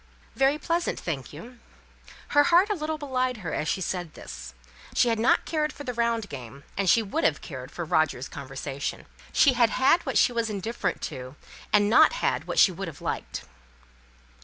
"Very pleasant, thank you." Her heart a little belied her as she said this. She had not cared for the round game; and she would have cared for Roger's conversation. She had had what she was indifferent to, and not had what she would have liked.